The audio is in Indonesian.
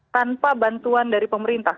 tanpa bantuan dari pemerintah